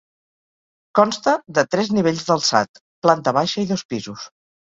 Consta de tres nivells d'alçat: planta baixa i dos pisos.